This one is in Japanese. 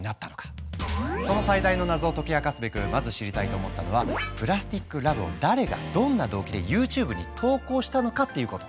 その最大の謎を解き明かすべくまず知りたいと思ったのは「ＰＬＡＳＴＩＣＬＯＶＥ」を誰がどんな動機でＹｏｕＴｕｂｅに投稿したのかっていうこと。